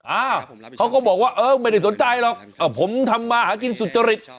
อ่าเขาก็บอกว่าเออไม่ได้สนใจหรอกผมทำมาหากินสุจริต